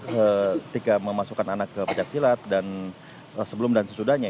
ketika memasukkan anak ke pencaksilat dan sebelum dan sesudahnya